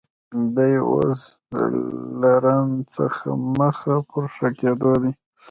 دی اوس له زنځ څخه مخ پر ښه کېدو دی